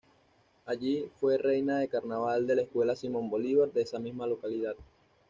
Allí fue reina de carnaval de la Escuela Simón Bolívar de esa misma localidad.